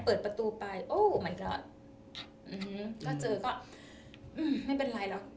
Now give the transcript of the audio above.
เปิดประตูไปโอ้มายก็าดอืมฮืมก็เจอก็อืมไม่เป็นไรละ